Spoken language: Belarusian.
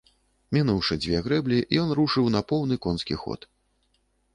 Мінуўшы дзве грэблі, ён рушыў на поўны конскі ход.